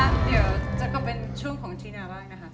อ่ะเดี๋ยวจะกลับเป็นช่วงของทีนาบ้างนะครับ